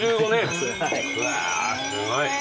うわすごい。